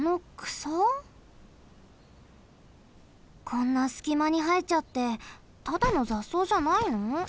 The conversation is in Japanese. こんなすきまにはえちゃってただのざっそうじゃないの？